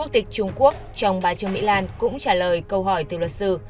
tịch trung quốc chồng bà trương mỹ lan cũng trả lời câu hỏi từ luật sư